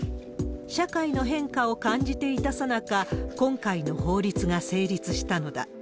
社会の変化を感じていたさなか、今回の法律が成立したのだ。